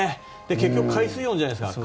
結局、海水温じゃないですか。